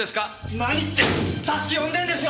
何って助け呼んでるんですよ！